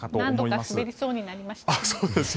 何度か滑りそうになりました。